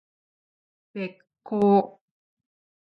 べっ甲